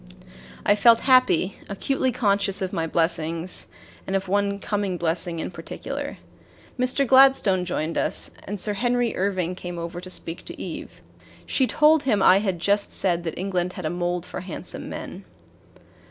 I felt happy, acutely conscious of my blessings and of one coming blessing in particular. Mr. Gladstone joined us, and Sir Henry Irving came over to speak to Eve. She told him I had just said that England had a mold for handsome men.